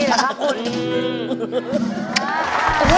มองเราตาเขียวเลย